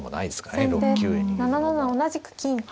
先手７七同じく金。